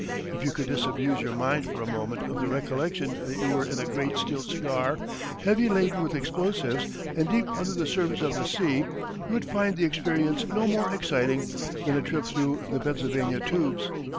If you could disabuse your mind for a moment of the recollection that you were in a great steel cigar heavy laden with explosives, and deep under the surface of the sea you would find the experience no more exciting than a trip through the Pennsylvania tubes.